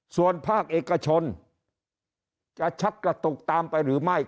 ส่วนภาคเอกชนจะชักกระตุกตามไปหรือไม่